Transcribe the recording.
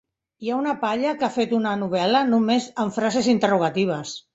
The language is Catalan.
Hi ha una paia que ha fet una novel·la només amb frases interrogatives.